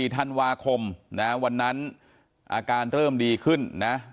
ธันวาคมนะวันนั้นอาการเริ่มดีขึ้นนะ